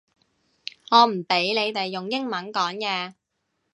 我唔畀你哋用英文講嘢